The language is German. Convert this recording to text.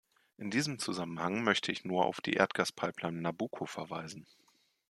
In diesem Zusammenhang möchte ich nur auf die Erdgaspipeline "Nabucco" verweisen.